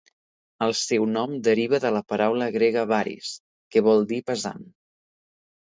El seu nom deriva de la paraula grega baris, que vol dir pesant.